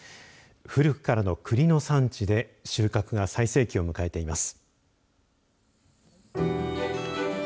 古くからのクリの産地で収穫が最盛期を迎えています。